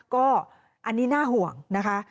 ก็อันนี้น่าห่วงนะคะ